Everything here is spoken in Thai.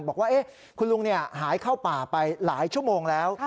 บอกว่าคุณลุงหายเข้าป่าไปหลายชั่วโมงแล้ว